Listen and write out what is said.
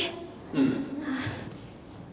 うん。